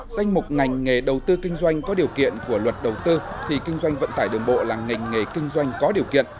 danh mục ngành nghề đầu tư kinh doanh có điều kiện của luật đầu tư thì kinh doanh vận tải đường bộ là ngành nghề kinh doanh có điều kiện